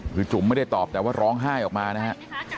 คือจุ๋มไม่ได้ตอบแต่ว่าร้องไห้ออกมานะฮะ